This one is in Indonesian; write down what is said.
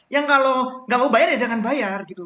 yang kalau nggak mau bayar ya jangan bayar gitu